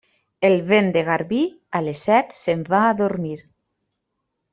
El vent de garbí, a les set se'n va a dormir.